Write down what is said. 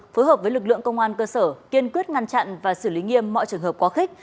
phối hợp với lực lượng công an cơ sở kiên quyết ngăn chặn và xử lý nghiêm mọi trường hợp quá khích